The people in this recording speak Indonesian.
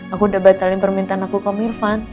aku udah batalin permintaan aku ke om irvan